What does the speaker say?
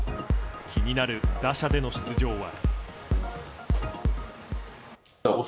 気になる打者での出場は。